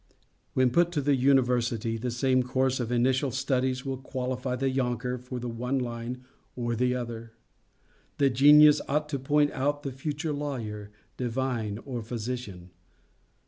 When put to the university, the same course of initial studies will qualify the yonker for the one line or the other. The genius ought to point out the future lawyer, divine, or physician!